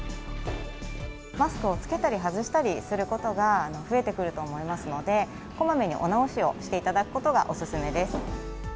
マスクを着けたり外したりすることが増えてくると思いますので、こまめにお直しをしていただくことがお勧めです。